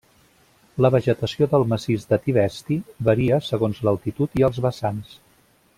La vegetació del massís de Tibesti varia segons l'altitud i els vessants.